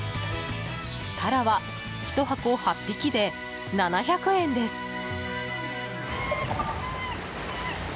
タラは１箱８匹で、７００円です。